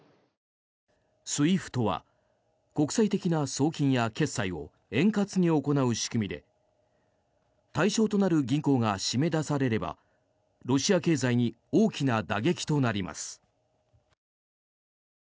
ＳＷＩＦＴは国際的な送金や決済を円滑に行う仕組みで対象となる銀行が締め出されればロシア経済に大きな打撃となります。